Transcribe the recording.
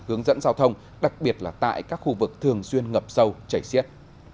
hướng dẫn giao thông đặc biệt là tại các khu vực thường xuyên ngập sâu chảy xiết